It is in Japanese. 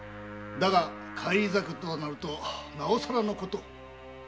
だが返り咲くとなるとなおさらのこと。